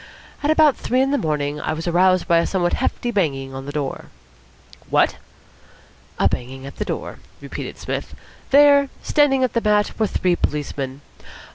At about three o'clock in the morning I was aroused by a somewhat hefty banging on the door." "What!" "A banging at the door," repeated Psmith. "There, standing on the mat, were three policemen.